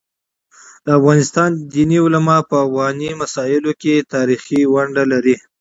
د افغانستان دیني علماء په افغاني مسايلو کيتاریخي ونډه لري.